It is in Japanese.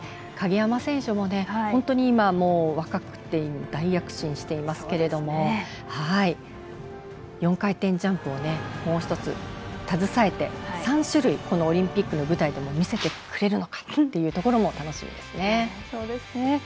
鍵山選手も本当に今、若くて大躍進してしますけれども４回転ジャンプをもう１つ、携えて３種類、オリンピックの舞台でも見せてくれるのかも楽しみです。